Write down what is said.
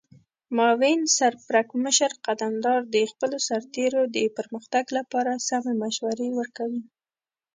معاون سرپرکمشر قدمدار د خپلو سرتیرو د پرمختګ لپاره سمې مشورې ورکوي.